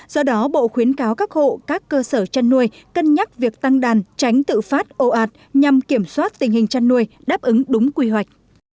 do đó bộ khuyến cáo các hộ các cơ sở chăn nuôi cân nhắc việc tăng đàn tránh tự phát ồ ạt nhằm kiểm soát tình hình chăn nuôi đáp ứng đúng quy hoạch